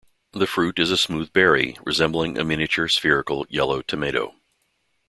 The fruit is a smooth berry, resembling a miniature, spherical, yellow tomato.